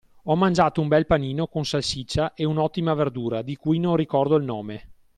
Ho mangiato un bel panino con salsiccia e un'ottima verdura di cui non ricordo il nome.